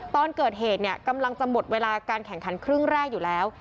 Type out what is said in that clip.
ตอนเกิดเหตุเนี่ยกำลังจะหมดเวลาการแข่งขันครึ่งแรกอยู่แล้ว